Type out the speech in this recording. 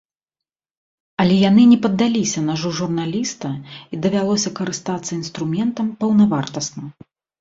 Але яны не паддаліся нажу журналіста і давялося карыстацца інструментам паўнавартасна.